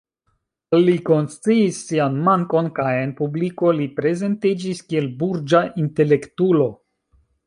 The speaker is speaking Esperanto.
Li konsciis sian mankon kaj en publiko li prezentiĝis kiel „burĝa intelektulo“.